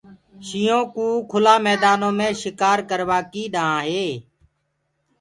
شيِنهو ڪوُ ڪُلآ ميدآنو مي شڪآر ڪروآ ڪي ڏآنهنٚ هي۔